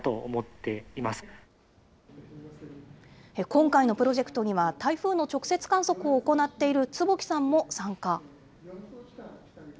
今回のプロジェクトには、台風の直接観測を行っている坪木さんも参加。